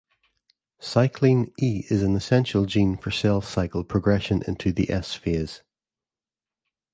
Cycline E is an essential gene for cell cycle progression into the S phase.